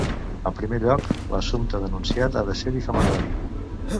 En primer lloc, l'assumpte denunciat ha de ser difamatori.